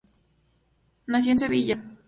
Nació en Sevilla.